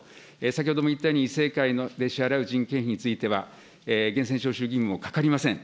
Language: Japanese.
先ほども言ったように、以正会で支払う人件費については、源泉徴収義務もかかりません。